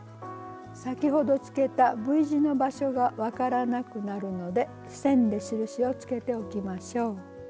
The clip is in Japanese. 先ほどつけたＶ字の場所が分からなくなるので線で印をつけておきましょう。